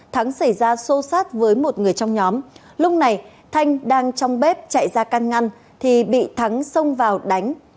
thắng xảy ra sâu sát với một người trong nhóm lúc này thanh đang trong bếp chạy ra căn ngăn thì bị thắng xông vào đánh